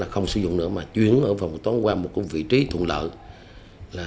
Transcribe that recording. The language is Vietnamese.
không sử dụng nữa mà chuyển phòng cơ tón qua một vị trí thuận lợi